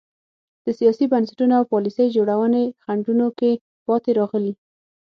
د سیاسي بنسټونو او پالیسۍ جوړونې خنډونو کې پاتې راغلي.